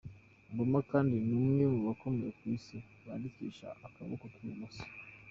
Obama kandi ni umwe mu bakomeye ku isi bandikisha akaboko k'ibumoso.